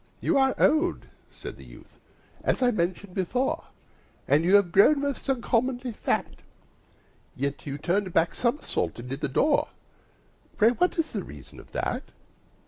"You are old," said the youth, "as I mentioned before, And you have grown most uncommonly fat; Yet you turned a back somersault in at the door Pray what is the reason for that?"